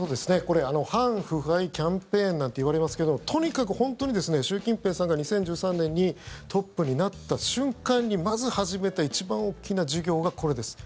これ反腐敗キャンペーンなんていわれますけどもとにかく本当に習近平さんが２０１３年にトップになった瞬間にまず始めた一番大きな事業がこれです。